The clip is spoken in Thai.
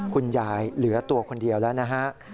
คุณยายเหลือตัวคนเดียวแล้วนะฮะ